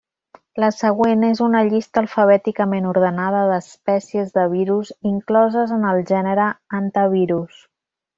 La següent és una llista alfabèticament ordenada d’espècies de virus incloses en el gènere Hantavirus.